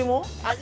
味